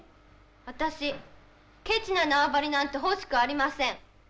私ケチな縄張りなんて欲しくありません。